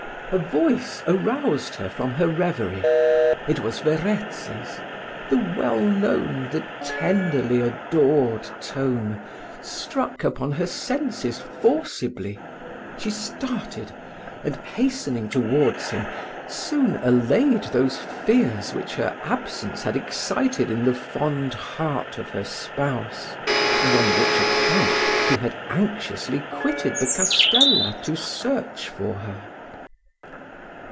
A voice aroused her from her reverie it was Verezzi's the well known, the tenderly adored tone, struck upon her senses forcibly: she started, and, hastening towards him, soon allayed those fears which her absence had excited in the fond heart of her spouse, and on which account he had anxiously quitted the castella to search for her.